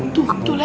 tuh lihat tuh